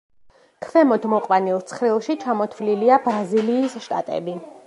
ქვემოთ მოყვანილ ცხრილში, ჩამოთვლილია ბრაზილიის შტატები.